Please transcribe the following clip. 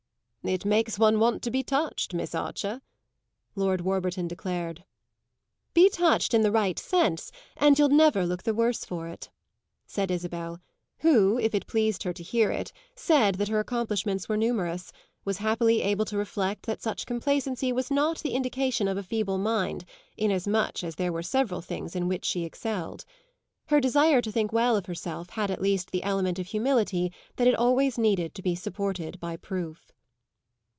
"It makes one want to be touched, Miss Archer," Lord Warburton declared. "Be touched in the right sense and you'll never look the worse for it," said Isabel, who, if it pleased her to hear it said that her accomplishments were numerous, was happily able to reflect that such complacency was not the indication of a feeble mind, inasmuch as there were several things in which she excelled. Her desire to think well of herself had at least the element of humility that it always needed to be supported by proof.